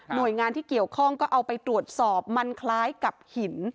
โดยงานที่เกี่ยวข้องก็เอาไปตรวจสอบมันคล้ายกับหิน